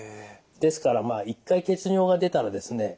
ですから一回血尿が出たらですね